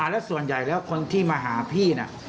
แล้วส่วนใหญ่แล้วคนที่มาหาพี่น่ะ